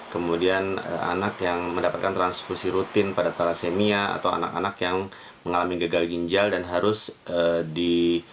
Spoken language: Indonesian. kemudian anak yang mendapatkan transfusi rutin pada thalassemia atau anak anak yang mengalami gagal ginjal dan harus di